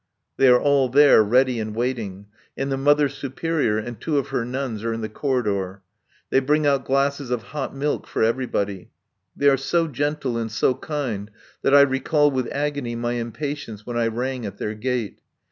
They are all there, ready and waiting. And the Mother Superior and two of her nuns are in the corridor. They bring out glasses of hot milk for everybody. They are so gentle and so kind that I recall with agony my impatience when I rang at their gate.